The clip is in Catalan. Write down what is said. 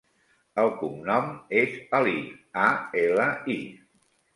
El cognom és Ali: a, ela, i.